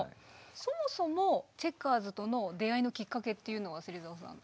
そもそもチェッカーズとの出会いのきっかけっていうのは芹澤さん。